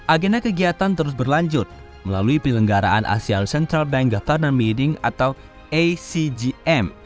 agenda kegiatan terus berlanjut melalui penyelenggaraan asian central bank governance meeting atau acgm